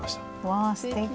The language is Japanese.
わあすてき！